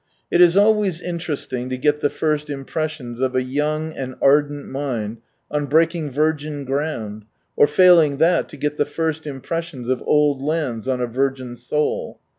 It is always interesting to get the first impressions of a young and ardent mind on breaking virgin ground, or failing that, to Ret the first impressions of old lands on a virgin soul.